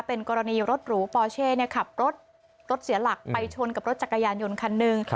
เป็นกรณีรถหรูปอเช่ขับรถรถเสียหลักไปชนกับรถจักรยานยนต์คันหนึ่ง